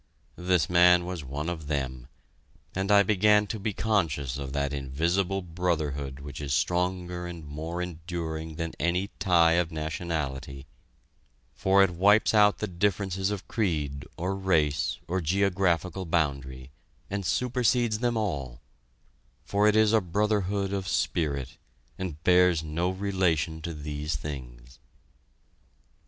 This man was one of them, and I began to be conscious of that invisible brotherhood which is stronger and more enduring than any tie of nationality, for it wipes out the differences of creed or race or geographical boundary, and supersedes them all, for it is a brotherhood of spirit, and bears no relation to these things.